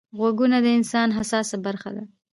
غوږونه د انسان حساسه برخه ده